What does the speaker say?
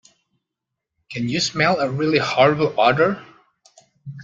Can you smell a really horrible odour?